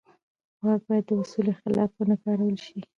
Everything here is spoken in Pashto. واک باید د اصولو خلاف ونه کارول شي.